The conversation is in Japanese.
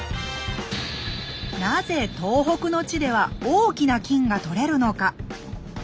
なぜ東北の地では大きな金が採れるのか。